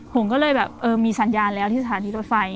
หุ่งก็เลยแบบมีสัญญาณแล้วที่สถานที่รถไฟ